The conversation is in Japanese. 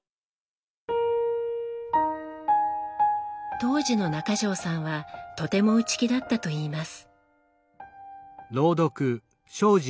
当時の中条さんはとても内気だったといいます。